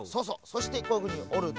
そしてこういうふうにおると。